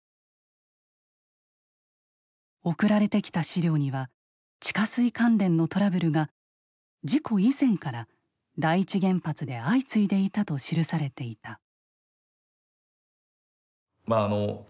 送られてきた資料には地下水関連のトラブルが事故以前から第一原発で相次いでいたと記されていた。